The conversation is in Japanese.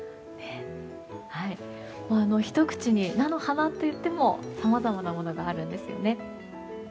ひと口に菜の花といってもさまざまなものがあるんですよね。